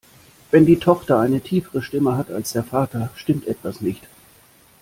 Wenn die Tochter eine tiefere Stimme hat als der Vater, stimmt etwas nicht.